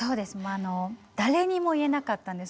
あの誰にも言えなかったんです